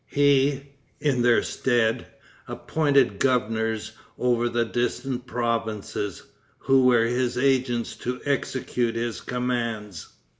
He, in their stead, appointed governors over the distant provinces, who were his agents to execute his commands.